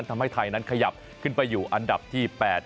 ทำให้ไทยนั้นขยับขึ้นไปอยู่อันดับที่๘